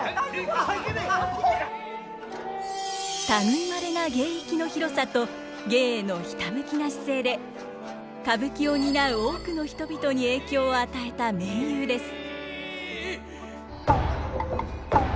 類いまれな芸域の広さと芸へのひたむきな姿勢で歌舞伎を担う多くの人々に影響を与えた名優です。